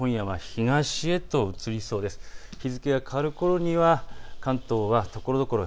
日付が変わるころには関東はところどころ